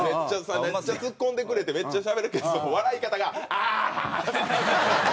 めっちゃツッコんでくれてめっちゃしゃべるけど笑い方が「アーハハ！」。